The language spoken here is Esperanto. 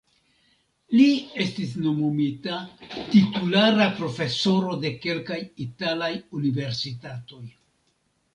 Li estis nomumita titulara profesoro de kelkaj italaj universitatoj.